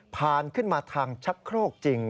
ผ่านขึ้นมาทางชะโครกจริง